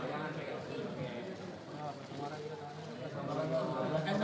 masih jam satu bawah